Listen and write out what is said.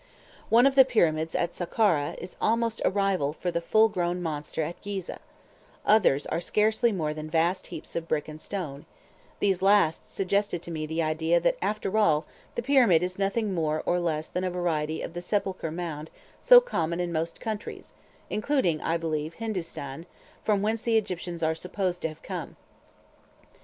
One of the Pyramids at Sakkara is almost a rival for the full grown monster at Ghizeh; others are scarcely more than vast heaps of brick and stone: these last suggested to me the idea that after all the Pyramid is nothing more nor less than a variety of the sepulchral mound so common in most countries (including, I believe, Hindustan, from whence the Egyptians are supposed to have come).